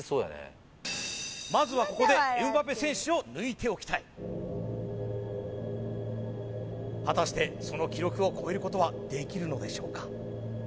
まずはここでエムバペ選手を抜いておきたい果たしてその記録を超えることはできるのでしょうか？